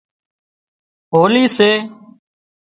هولِي سي